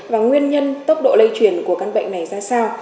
và nguyên nhân tốc độ lây truyền của căn bệnh này ra sao